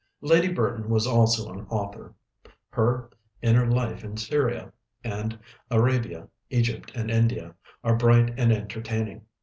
Lady Burton was also an author; her 'Inner Life in Syria' and 'Arabia, Egypt, and India' are bright and entertaining.